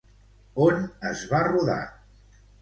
On es va rodar?